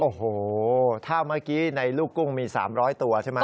โอ้โหถ้าเมื่อกี้ในลูกกุ้งมี๓๐๐ตัวใช่ไหม